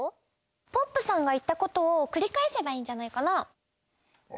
ポップさんがいったことをくりかえせばいいんじゃないかなあ？